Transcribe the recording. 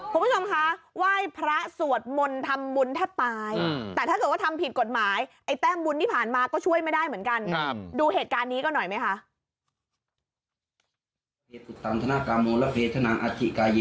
คุณผู้ชมคะไหว้พระสวดมนต์ทำบุญถ้าตาย